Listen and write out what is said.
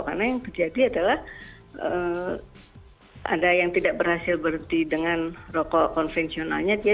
karena yang terjadi adalah ada yang tidak berhasil berhenti dengan rokok konvensionalnya